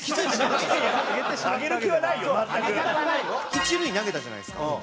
一塁に投げたじゃないですか。